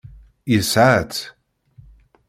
Yesɛa-tt.